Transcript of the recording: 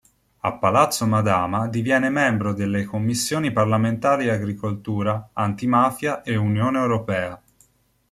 A Palazzo Madama diviene membro delle Commissioni parlamentari agricoltura, antimafia e Unione Europea.